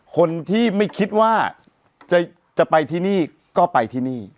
คนที่ไม่คิดว่าจะไปที่นี่ก็ไปที่นี่